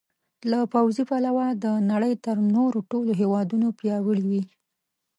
له پوځي پلوه د نړۍ تر نورو ټولو هېوادونو پیاوړي وي.